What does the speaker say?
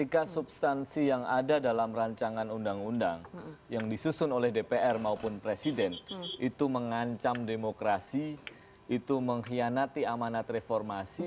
ketika substansi yang ada dalam rancangan undang undang yang disusun oleh dpr maupun presiden itu mengancam demokrasi itu mengkhianati amanat reformasi